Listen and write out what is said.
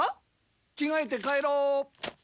着がえて帰ろう。